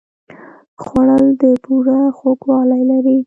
خوړل د بوره خوږوالی لري